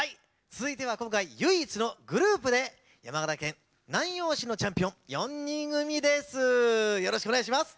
続いては今回唯一のグループで山形県南陽市のチャンピオン４人組です。